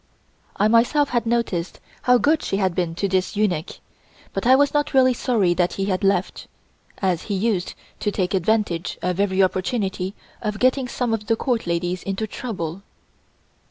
I myself had noticed how good she had been to this eunuch, but I was not really sorry that he had left, as he used to take advantage of every opportunity of getting some of the Court ladies into trouble.